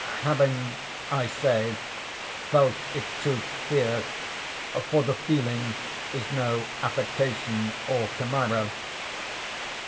Having, I say, felt its truth here; for the feeling is no affectation or chimera.